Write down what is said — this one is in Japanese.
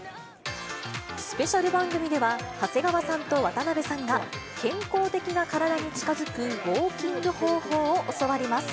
スペシャル番組では、長谷川さんと渡辺さんが、健康的なカラダに近づくウォーキング方法を教わります。